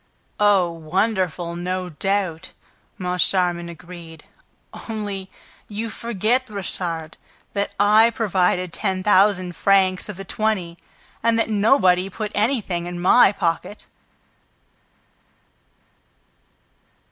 "Oh, wonderful, no doubt!" Moncharmin agreed. "Only, you forget, Richard, that I provided ten thousand francs of the twenty and that nobody put anything in my pocket!"